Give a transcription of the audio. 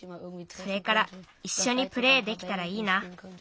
それからいっしょにプレーできたらいいな。